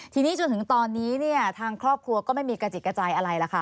ทีนี้จนถึงตอนนี้เนี่ยทางครอบครัวก็ไม่มีกระจิกกระจายอะไรล่ะค่ะ